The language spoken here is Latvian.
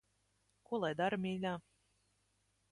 Ko lai dara, mīļā.